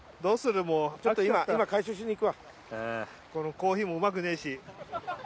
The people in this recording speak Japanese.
コーヒーもうまくねえし。